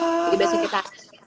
jadi berarti kita